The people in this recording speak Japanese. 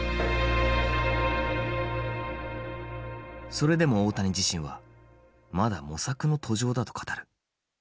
それでも大谷自身はまだ模索の途上だと語る。